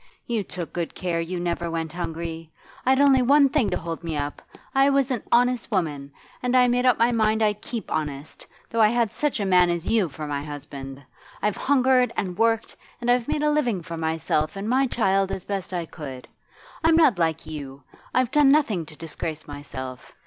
You took good care you never went hungry. I'd only one thing to hold me up: I was an honest woman, and I made up my mind I'd keep honest, though I had such a man as you for my husband. I've hungered and worked, and I've made a living for myself and my child as best I could. I'm not like you: I've done nothing to disgrace myself.